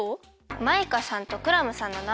マイカさんとクラムさんのなまえ。